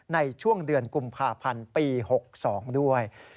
ในช่วงเดือนกุมภาพันธ์ปี๖๒ด้วย